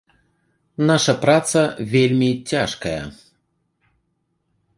Наша праца вельмі цяжкая.